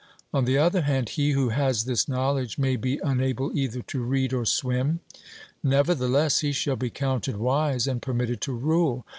On the other hand, he who has this knowledge may be unable either to read or swim; nevertheless, he shall be counted wise and permitted to rule.